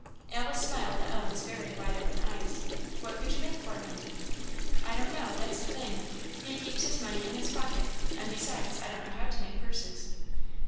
Alice smiled at Ellen's very wide open eyes. "What could you make for him?" "I don't know that's the thing. He keeps his money in his pocket; and besides, I don't know how to make purses."